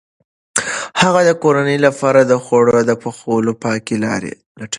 هغه د کورنۍ لپاره د خوړو د پخولو پاکې لارې لټوي.